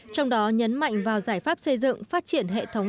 trong đó nhấn mạnh vào giải pháp xây dựng phát triển hệ thống